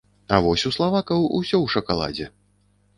А вось у славакаў усё ў шакаладзе.